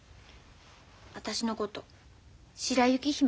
私のこと白雪姫だって。